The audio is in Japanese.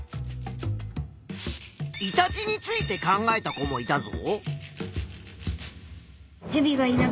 イタチについて考えた子もいたぞ。